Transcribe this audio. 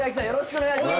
お願いします。